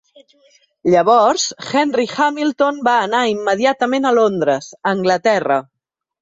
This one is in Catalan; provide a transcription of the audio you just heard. Llavors, Henry Hamilton va anar immediatament a Londres, Anglaterra.